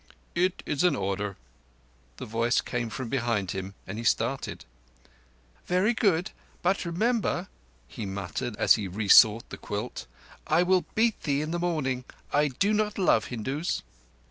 "It is an order." The voice came from behind him and he started. "Very good. But remember," he muttered, as he resought the quilt, "I will beat thee in the morning. I do not love Hindus."